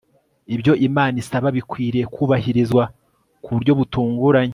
ibyo imana isaba bikwiriye kubahirizwa mu buryo butunganye